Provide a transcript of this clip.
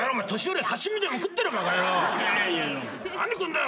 何で食うんだよ